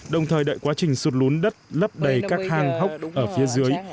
đồng thời đợi quá trình sụt lũ đất lấp đầy các hang hốc ở phía đất